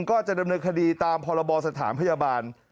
ก็จะดำเนินคดีตามพรบสถานพยาบาล